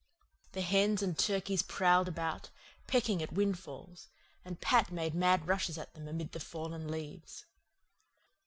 The hens and turkeys prowled about, pecking at windfalls, and Pat made mad rushes at them amid the fallen leaves.